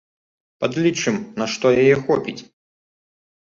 Падлічым, на што яе хопіць.